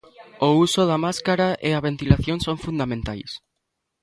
O uso da máscara e a ventilación son fundamentais.